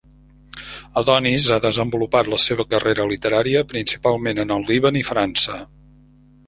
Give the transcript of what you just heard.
Adonis ha desenvolupat la seva carrera literària principalment en el Líban i França.